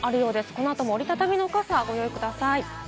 この後も、折り畳みの傘、ご用意ください。